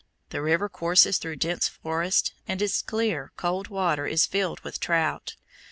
The river courses through dense forests, and its clear, cold water is filled with trout.